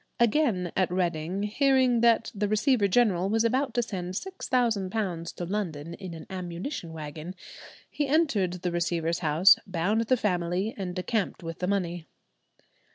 Again at Reading, hearing that the Receiver General was about to send £6,000 to London in an ammunition wagon, he entered the receiver's house, bound the family, and decamped with the money.